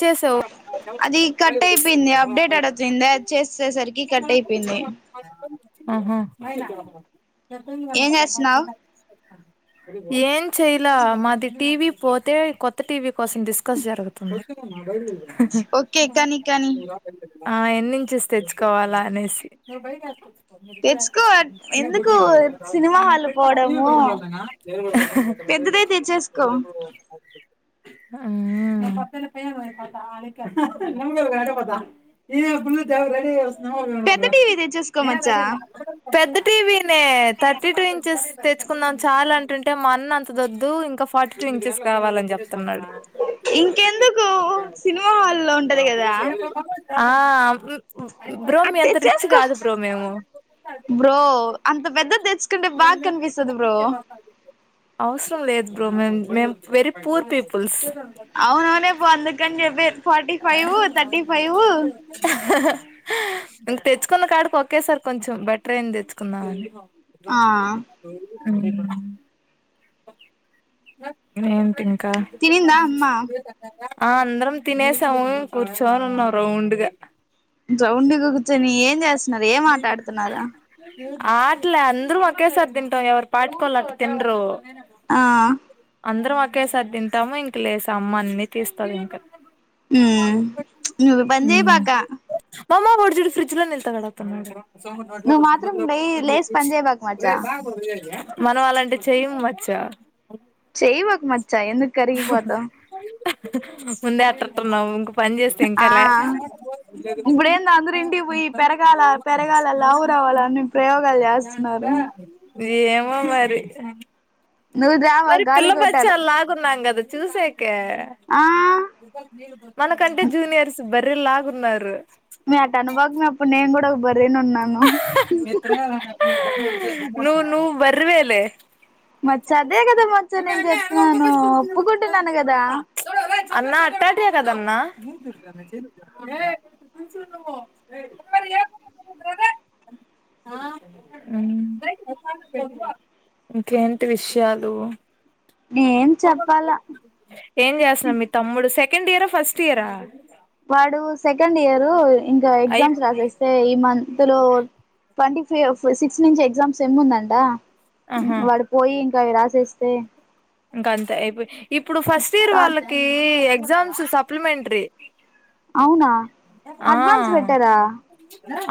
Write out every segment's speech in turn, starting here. చేశావ్ అది కట్ అయిపోయింది అప్డేట్ అడుగుతుంది అది చేసేసరికి కట్ అయిపోయింది ఆహా ఏం చేస్తున్నావు ఏం చెయలా మాది టీవీ పోతే కొత్త టీవీ కోసం డిస్కస్ జరుగుతుంది ఓకే కానీ [unintelligible] కానీ ఉహూ ఆ ఎన్నించెస్ తెచ్చుకోవాలా అనేసి తెచ్చుకో ఎందుకు సినిమా హాల్ ఆ పోవడము పెద్దదే ఆ తెచ్చేసుకో ఉమ్ పెద్ద టీవీ తెచ్చేసుకో మచ్చా పెద్ద టీవీ నే థర్టీ టూ ఇంచెస్ తెచ్చుకున్నాం చాలా అంటుంటే మా అన్న అంత దొద్దు ఇంకా ఫార్టీ టూ ఇంచెస్ కావాలని చెప్త తున్నడు కు సినిమా హాల్లో ఉంటది కదా ఆ బ్రో అది మి ఎంత రిచ్ తెచ్చేసుకో కాదు బ్రో మేము కంటే బా కనిపిసదు బ్రో అవసరం లేదు బ్రో మే మేమ్ వెరీ పూర్ పీపుల్స్ అవునవునే పో అందుకని చెప్పే ఫార్టీ ఫైవ్ థర్టీ ఫైవ్ ఇంక తెచ్చుకున్న కాడకి ఒకేసారి కొంచెం బెటర్ అయింది తెచ్చుకుందాం ఆ అఉమ్ ఏంటి క్క తినిందా అమ్మా ఆ అందరం తినేసం కూర్చోని ఉన్నావు రౌండ్గా సౌండ్ చోని ఏం చేస్తున్నారు ఏం ఆట అడుతున్నారు ఆట్లే అందరుూ ఒకక్కేసారి తింటాం ఎవరీ పార్టీకి వాళ్ళు అట్ల తినరు ఆ అందరం ఒకే సారి తింటాము ఇంక లేసి అమ్మ అన్ని తీస్తంది ఇంకా ఉ నువ్ బంజె బాకా ఫ్రిజ్ లో నిెతాడు అతతు సంగ నజకు నువ్వు మాత్రం సుందర లే లేసి స పని చేయబాకు రే మచ్చా బా మనం అలాంటి చెయ్యం మచ్చ చైవాక్ మచ్చా ఎందుకు కరిగిపోతావ్ ముందే అత్రత్రునవ్ ఇంక్ పన్ జేస్తే ఇంకా ఆ ఇప్పుడేంది అందరు ఇంకాల్య ఇంటికి పోయి పెరగాల పెరగాల లావు రావాలని ప్రయోగాలు చేస్తున్నారు ఏమో మరి నువు ద్రవ గాలి గోటను ద్ చూసెక్ కే మనకంటే జూనియర్స్ బర్రెలాగున్నారు మే అట అనభాకు అప్పుడు నేను గూడా ఒక బర్రెనున్నాను నువ్ నువ్ బర్వేలే ఆ మచ్చా అదే కదా మచ్చ నేన్ జెప్పను. ఒప్పుకుంటున్నాను గదా అన్నా అట్టాటియే ఇంకేంటి విష్యాల్ డు ఏం చెప్పాల కెండ్ ఇయరా ఫస్ట్ ఇయరా వాడు సెకండ్ ఇయరు ఇంకా అయి ఎగ్జామ్స్ రాసేస్తే ఈ మంత్ లో ట్వంటీ సీఏ వస్తాది. సిక్స్ నించి ఎగ్జామ్స్ సేమ్ముందంటా హ్ ఆహా వాడు పోయి గవి రాసేస్తే ఇంకా అంతే అయిపో. ఇప్పుడు ఫస్ట్ ఇయర్ వాళ్ళకి ఎగ్ జామ్స్ సప్లిమెంట్రీ అవునా అడ్వాన్స్ పెట్టరా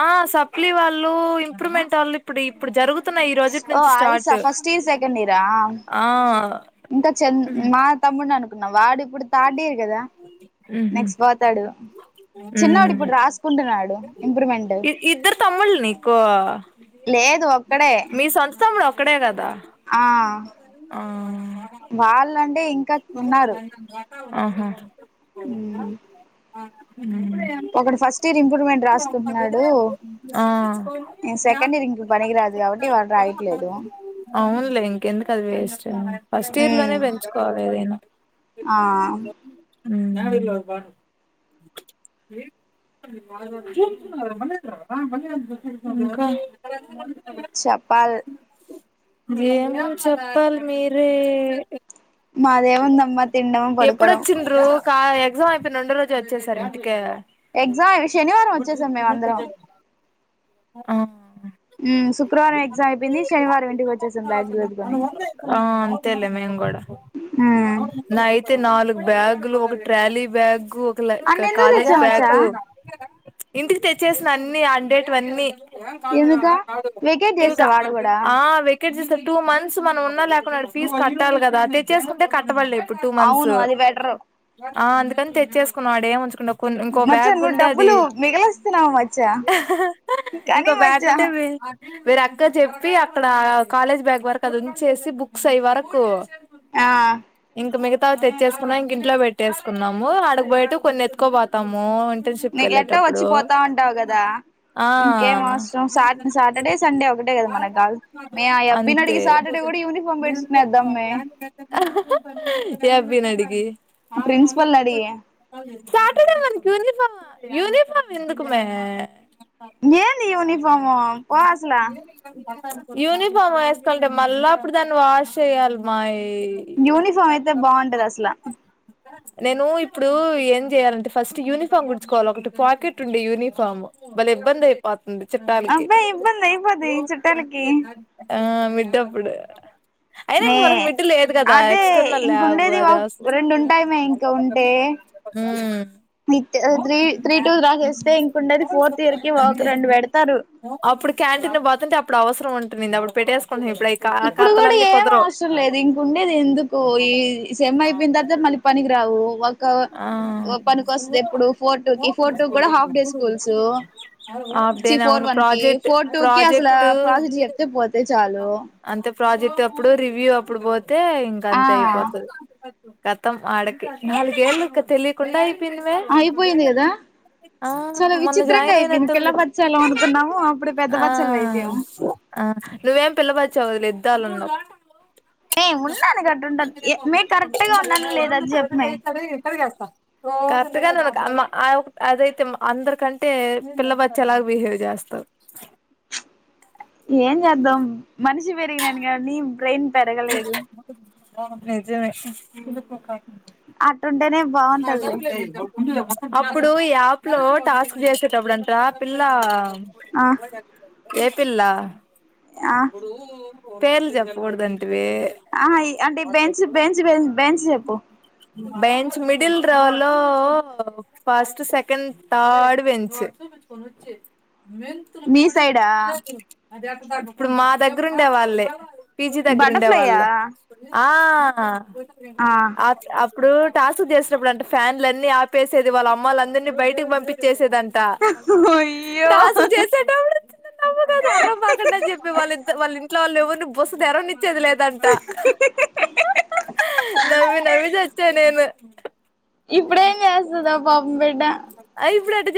ఆ సప్లీ వాళ్ళు ఇంప్రూవ్మెంటోళ్ళు ఇప్పుడు ఇప్పుడు జరుగుత్ తున్నాయి. ఈ ఓ రోజుట్నుంచి అదిసా స్టార్ట్. ఫస్ట్ ఇయర్ సెకండ్ ఇయరా ఆ ఇంకా చెంద్ మా తమ్మున్ అన్ అనుకున్నా వాడిప్ ప్పుడు థర్డ్ ఇయర్ గదా. మ్మ్ నెక్స్ట్ పోతాడు. చిన్నొడిపుడు రాసుకుంటున్నాడు ఇంప్రూవ్మెంట్ ఇ ఇద్దరు తమ్ముళ్నికు లేదు ఒక్కడే ఇక్కడే కదా ఆ ఆ వాళ్ళ ం టే ఇంకా ఉన్నారు ఆహా [inaudible] ఒకడు ఫస్ట్ ఇయర్ ఇంప్రూవ్మెంట్ రాసుకుంటున్నాడు నేను సెకండ్ ఇయర్ ఇంప్రూ పనికి రాదు కాబట్టి వాడు రాయట్లేదు అవునులే ఇంకెందుకు అది వేస్ట్ ఫస్ట్ ఇయర్ లోనే ఉమ్ పెంచుకోవాలి ఏదైనా ఆ హ్మ్ చపాల్ ఏమం చెప్పాలి మీరే మాదేముందమ్మా తినడం పడుకోడం ఎప్పుడొచ్చిండ్రు కా ఎగ్జామ్ అయిపోయి రెండ రోజు వచ్చేసారు ఇంటికే ఎగ్జామ్ శనివారం వచ్చేసాం మేము అందరం ఆ హ్మ్ శుక్రవారం ఎగ్జామ్ అయిపోంది శనివారం ఇంటికి వచ్చేసాం బ్యాగ్ లు సర్దుకొని ఉమ్ నా అయితే నాలుగు బ్యాగ్ లో ట్రాలీ బ్యాగ్ కు అన్ని ఒక ఎందుకు కాలేజ్ తెచ్చాం మచ్చా బ్యాగ్ ఇంటికి తెచ్చేసిన అన్ని అండేటవన్నీ ఎందుకా వెకేట్ చేసా ఇంకా వాడు కూడా ఆ టూ మంత్స్ మనం ఉన్నా లేకున్నాడు ఫీజ్ కట్టాలి కదా తెచ్చే స్ కట్టబడలేదు అవును అది బెట్రు ఆ అందుకని తెచ్చేసుకున్నాం ఆడేం ఉంచుకుండా కొన్ని ఇంకో మచ్చా బ్యాగ్ నువ్వు ఉంటే అది డబ్బులు మిగిలిస్తున్నావు మచ్చా ఇంకో కానీ బ్యాగ్ మచ్చా ఉంటే వేరే అక్క చెప్పి అక్కడ కాలేజ్ బ్యాగ్ వరకు అది ఉంచేసి బుక్స్ అయ్యి వరకు ఆ ఇంక మిగతా తెచ్చేసుకున్నా ఇంక ఇంట్లో పెట్టేసుకున్నాము అడకు బయట కొన్ని ఎత్తుకుకోపోతాము నీక ఎట్ట వచ్చి పోతావుంటావు కదా ఇంకేం ఆ అవసరం సాటర్డే సండే ఒకటే కదా మనకు కా మే ఆ అంతే అబ్బినడికి సాటర్డే కూడా యూనిఫామ్ పెట్టిచ్చుకునేద్దామ్మే ఏ అప్పి నడికి ప్రిన్సిపల్ని అడిగి సాటర్డే మనకి యూని ా యూనిఫార్మ్ ఎందుకుమే ఎంది యూనిఫార్ము పో అసలా యూనిఫామ్ వేసుకోంటే మళ్ళా అప్పుడు దాన్ని వాష్ చెయాలి మాయి యూనిఫామ్ అయితే బాగుంటది అసల నేను ఇప్పుడు ఏం చెయాలంటే ఫస్ట్ యూనిఫామ్ గుడుచుకోవాలి ఒకటి పాకెట్ ఉండే యూనిఫామ్ బలే ఇబ్బంది అయిపోత్ చుట్టాలకి అబ్బా ఇబ్బంది అయిపోద్ది చుట్టాలకి ఆ మిద్ద అప్పుడు అయినా ఇంక మే మనకి విిడ్డలు లే ఉంటది అదే ఎక్స్టర్నల్ ల్యాబ్ ఇంకుండేది ఆదివాస్తది రెండు ఉంటాయి మే ఇంకా ఉంటే ఉమ్ త్రీ త్రీ టూ రాసేస్తే ఇంకుండేది ఫోర్త్ ఇయర్ కి ఒక అంతే రెండు పెడతారు అప్పుడు కాండిన్ పోతుంటే అప్పుడు అవసరం ఉుంది అప్పు పెట్టే ఇప్పుడు ఖా ఇప్పుడు కూడా కతలన్నీ ఏం కుదరవ్ అవసరం లేదు ఇంకుండేది ఎందుకు ఈ సేమ్ అయిపోయిన తర్వాత మళ్ళీ పనికి రావు ఒక ఆ ఒక పనికి వస్తుంది ఎప్పుడు ఫోర్ టూ కి ఫోర్ టూ కూడా హాఫ్ డే స్కూల్స్ హాఫ్ డేనే ఫోర్ అవును వన్ కి ప్రాజెక్ట్ ఫోర్ టూ కి అసలు ప్రాజెక్ట్ ప్రాజెక్ట్ చెప్తే పోతాయి చాలు అంతే ప్రాజెక్ట్ అప్పుడు రివ్యూ అప్పుడు పోతుంది అంతే ఇంకా ఆ అంతే అయిపోతది కతమ్ ఆడకి నాలుగేళ్ళ తెలియకుండాయి అయి పవే అయిపోయింది కదా ఆ చాలా మొన్న విచిత్రంగా జాయిన్ అయిపోయింది పిల్ల అయినట్టుంది బచ్చాలం అనుకున్నాము అప్పుడు పెద్ద ఆ బచ్చాలం అయిపోయాము ఆ నువ్వేం పిల్ల బచ్చావులే ాలన్నా న ఉన్నాను గట్టి ఉంటాను మీకు కరెక్ట్గా ఉన్నాను లేద అని చెప్పమే కరెక్ట్ గా ఆ అమ్మ అదైతే అందరికంటే పిల్ల బచ్చ లాగ బిహేవ్ చేస్తారు ఏం చేద్దాం మనిషి పెరిగిన కానీ బ్రెయిన్ పెరగలేదు నిజమే అ ంటేనే బాగుంటదిలే అప్పుడు ఈ యాప్ లో టాస్క్ చేసేటప్పుడుంతా పిల్ల ఆ ఏ పిల్లా ఆ అప్పుడు పేర్ జప్పకూడదండి ఆ అంటే బెంచ్ బెంచ్ బెంచ్ చెప్పు బెం మిడిల్ రోలో ఫస్ట్ సెకండ్ తర్డ్ బెంచ్ మీ సైడా ఇప్పుడు మా దగ్గర ఉండే వాళ్ళే పీజీ దగ్గర ఉండే బటర్ఫ్లైయా వాళా ఆ ఆ ఆ ఇప్పుడూట్ టాస్క్ చేసినప్పుడు అంటే ఫ్యాన్లులన్నిీ ఆపేసేది వాళ్ళ అమ్మల అందరినీ బయటికి పంపించేసి దంటా అయ్యో టాస్క్ చేసేట కదా అర్రంబాకండి అని చెప్పి వాళ్ళింద వాళ ఇంట్లో వాళ్ళ ఎవర్ని బస్సు తీరవని చదిలేదంట నవ్వి నవ్వి చచ్చా నేను అ ఇప్పుడేం చేస్తుందా పాపం బిడ్డ ఇప్పుడు అట్ట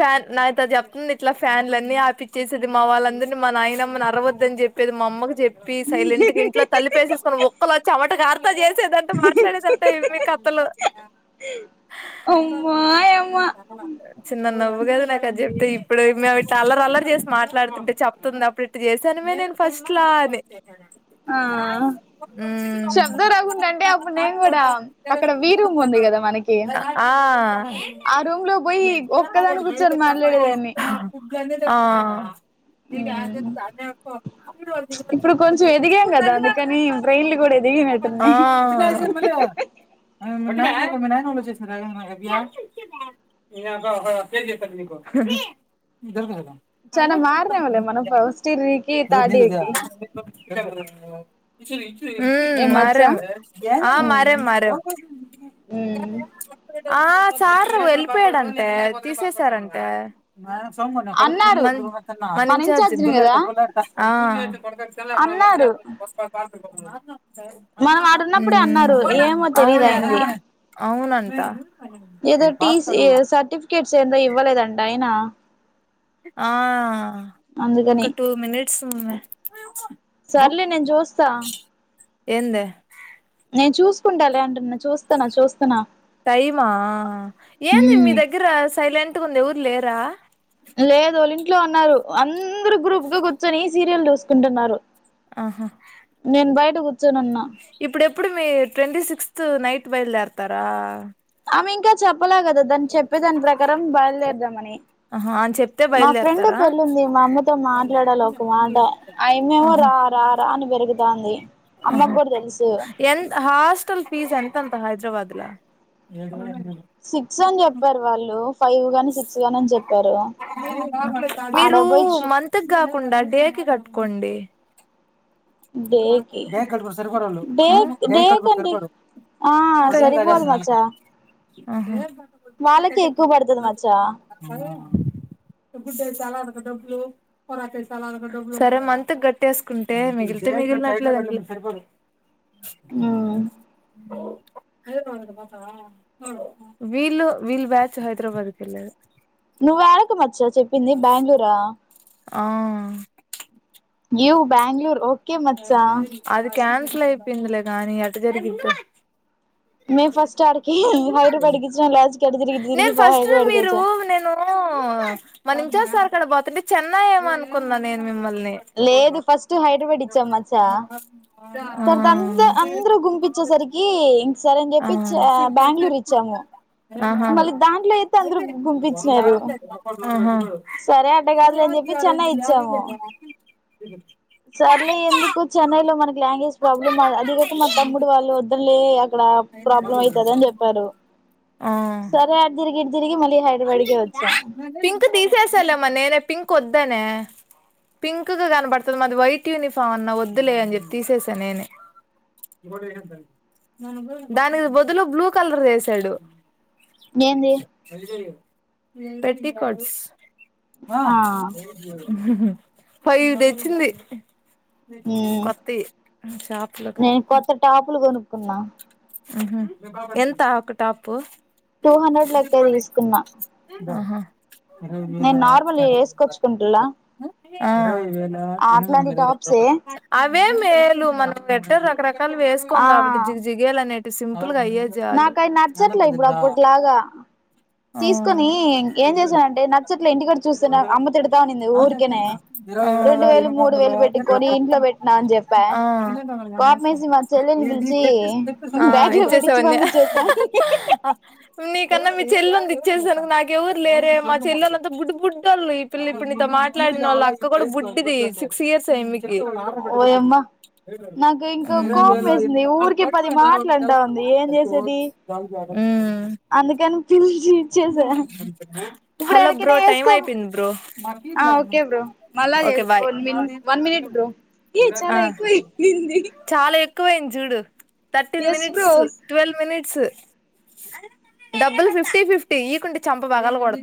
ఫ్యాన్ నా ఇ చెప్తుంది ఇట్లా ఫ్యాన్లులన్నీ ఆపచ్చేసది మా వాళ్ళందరినీ మా నాయనమ్మని అరవద్దని చెప్పేది మా అమ్మకి చెప్పి సైలెంట్ ఇంట్లో తల్లిపేసేసుకుొని ఒక్కలు వచ్చి అటికి అర్థ చేసేదంటే మాట్లాడేదింటే మీకు అమ్మాయమ్మ చిన్న నవ్వు కదుా నాక అది చెప్తే ఇప్పుడు మేము ఇట్ అల్లరు అల్లరి చేసి మాట్లాడుతుంటే చెప్తుంది అప్పుడు ఇట్ చేసానమే నేను ఫస్ట్ లా అని ఆ శబ్దం రాకుండా అంటే అప్పుడు నేను కూడా అక్కడ వీ రూమ్ ఉంది కదా మనకి ఆ రూమ్ లో పోయి ఒక్కదాని కూర్చొని ఆ మాట్లాడేదాన్ని ఉమ్ ఆ ఇప్పుడు కొంచెం ఎదిగాం కదా అందుకని బ్రెయిన్లు కూడా ఎదిగినట్టున్నాయి ఆ చేస్త నా చేస్త మీకు దరక చాలా మారినంలే మనం ఫస్టియర్రికి తాడ్ ఇయరికి ఎ విష ఏం మరే మచ్చా మ అ అంటే ఉమ్ మారే ఉమ్ ఆ సార్ వెళ్ళిపోయాడుంటే తీసేసారంట అన్నారు మన ఇంచార్జి ఇన్ఛార్జిని ని కదా ఆ అన్నారు మనం ఆడున్నప్పుడే అన్నారు హు ఏమో తెలీదు అయింది అవునంటా ఏదో టీసి సర్టిఫికేట్స్ ఏదో ఇవ్వలేదంటా అయినా ఆ అందుకని ఇంకా టూ మనిట్స్ ఉన్నాయి సర్లే నేను చూస్తా ఎందే నేను చూసుకుంటా లే అంటన్నా చూస్తాన్నా చూస్తన్నా టైమా ఏంది మీ ఉమ్ దగ్గర సైలెంట్ ఉంది ఎవరు లేరు రా లేదు వాళ్ళ ఇంట్లో అన్నారు అందరు గ్రూప్ గా కూర్చొని సీరియల్ చూసుకుంటున్నారు ఆహా ర్చొని ఉన్న ప్పుడు మీ ట్వంటీ సిక్స్త్ నైట్ బయలుదేరతారా అమె ఇంకా చప్ చెప్పలా కదా దాని చెప్పే దాని ప్రకారం బయలుదేరదామని ఆహా అని చెప్తే మా ఫ్రెండ్ బయలుదేరతారా పెళ్ళిఉంది మా అమ్మతో మాట్లాడాలి ఒక మాట ఆ అమ్మి ఏమో రా రా రా అని పెరుగుతంది ఆ హ ఎంత హాస్టల్ ఫీస్ ఎంత ఉంటది హైదరాబాద్ ల సిక్స్ అని చెప్పారు వాళ్ళు ఫైవ్ ని సిక్స్ గాని అని చెప్పారు ఆడ మీరు పోయి చు మంత్ కి కాకుండా డేకి కట్టుకోండి డేకి బ్యాంక్ళ్ళ కాబట్టి సరిపోరు వాళ్ళు డే బ్యాంక్ళ్ళ కాబట్టి డేకండి సరిపోరు ఆ సరిపోదు [unintelligible] ఆహా వాళ్ళకే ఎక్కువ పడుతది మచ్చా సరే మంత్ కి కట్టేసుకుంటే మిగిలి తే మిగిలినట్లే కదా వీళ్ళు వీల్ బ్యాచ్ హైదరాబాద్ క వెళ్ళలేదా నువ్వు యాడికి మచ్చా చెప్పింది బెంగళూరా ఆ యు బ్యాంగళూర్ ఓే అది క్యాన్సల్ అయిపోయిందిలే నాది అట జరిగిద్దా మేము ఫస్ట్ ఆడికి హైదరాబాద్ కి ఇచ్చినాం లాస్ట్ కి అటు తిరిగి ఇటు తిరిగి నేన్ ఫస్ట్ హైదరాబాద్ కి మీరు వచ్చాం నేను మన ఇంచసారు ఇక్కడ పోతుంటె చెన్నై ఏమో అనుకున్నాా నేను మిమ్మల్ని లేదు ఫస్ట్ హై వడి చమాచా ఆ తర్వాత అంద అందరుూ గుంపచ్చేసరికి ఇంకా సరే అని ఆ చెప్పి బెంగళూరు ఇచ్చాము అ మళ్ళీ దాంట్లో అయితే అందరు గుంపించినారు సరే అట్ట కాదులే అని చెప్పి చెన్నై ఇచ్చాము సర్లే ఎందుకు చెన్నైలో మనకి లాంగ్వేజ్ ప్రాబ్లమ్ అదిేక మా తమ్ముడు వాళ్ళు వద్దలే ఇక్కడ ప్రాబ్లం అవుతుంది అని చెప్పారు ఆ సర అదరిగి తిరిగి మళ్ళీ హైదరాబాద్కి వచ్చాం తీససాలేమ నేనే పింక్ వద్దనే పింక్ కన పడుతుంది మాది వైట్ యూనిఫామ్ అన్నా వద్దులే అని చెి తీసేసా నేనే దానికి బదులో బ్లూ కలర్ వసాడు నంది ప పెటికోట్స్ ఆ ఫైద తెచ్చింది ఉమ్ కొత్త షాపులకి నేను కొత్త టాపులు కొనుక్కున్నా ఇ హ ఎంత ఒక ట అప్పు టూ హండ్రెడ్ లెక్క తీసుకుందా ఆహా నేను నార్మల్ వేసుకొచ్చుకుంటలా ఆ అట్లాంటి టాప్సే ఇవే మేలు మన గట్టే సకరాల లు వేసుకోం కాబట్టి జి జిగే అనే సి నాక అది నచ్చట్లే ఇప్పుడు అప్పట్లాగా ఆ తీసుకొని ఏం చేసానంటే నచ్చట్ల ఇంటికడ చూస్తే అమ్మ తడతా ఉనింది ఊరికేనే రెండు వేలు మూడు వేలు పెట్టుకొని ఇంట్లో పెట్టినా అని చెప్పా ఆ కోపమేసి మా చెల్లెని పిలిచి బ్యాగ లో పెట్టించి ఇచ్చేసావన్నీ పంపించసాను సున్ని కన్న మీ చె ఎల్లు ఉంది వచ్చేసా నాక ఎవరు లేరే మా చెల్లంతా బుడ్డ బుడ్డోళ్ళు ఈ పిల్ల ఇప్పటినుండి మాట్లాడిన వాళ్ళ అక్క కూడా బుడ్డి బుడ్డిది సిక్స్ ఇయర్స్ [unintelligible] ఓయమ్మ నాకు ఇంకా కోపం వేసింది ఊరికే పది మాటలు అంటా ఉంది ఏం చేసేది అందుకని పిలిచి ఇచ్చేసా ఎంత ఇప్పుడు ఎడికైనా వేసుకో ఆ ఓకే బ్రో మళ్ళాన్ ఓకే బాయ్ మ వన్ మినిట్ బ్రో ఏ ఆ చాలా ఎక్కువైంది చాలా ఎక్కువయింది చూడు thirteen minutes bro twelve minutes డబ్బులు ఫిఫ్టీ ఫిఫ ఇ ఈ కుంటే చంప బగాలు కూడాడదు